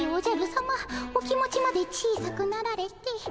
お気持ちまで小さくなられて。